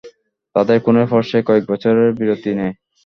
তাদের খুনের পর সে কয়েক বছরের বিরতি নেই।